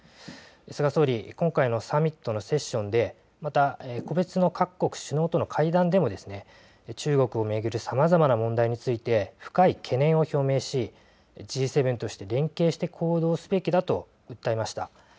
菅総理、今回のサミットのセッションでまた個別の各国首脳との会談でも中国を巡るさまざまな問題について深い懸念を表明しＧ７として連携して行動すべきだと訴えました。